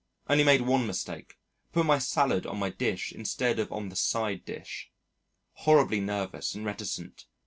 Only made one mistake put my salad on my dish instead of on the side dish. Horribly nervous and reticent.